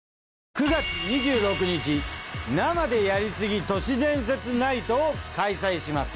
９月２６日「生でやりすぎ都市伝説ナイト」を開催します。